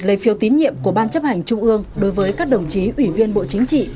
lấy phiếu tín nhiệm của ban chấp hành trung ương đối với các đồng chí ủy viên bộ chính trị